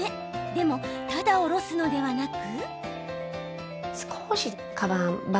でも、ただ下ろすのではなく。